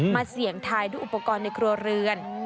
เสี่ยงทายด้วยอุปกรณ์ในครัวเรือน